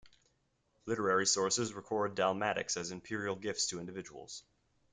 Literary sources record dalmatics as imperial gifts to individuals.